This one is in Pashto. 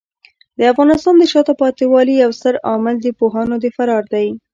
د افغانستان د شاته پاتې والي یو ستر عامل د پوهانو د فرار دی.